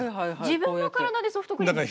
自分の体でソフトクリームですか？